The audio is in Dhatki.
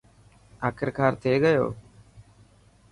آخرڪار ٿي گيو.